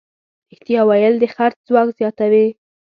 رښتیا ویل د خرڅ ځواک زیاتوي.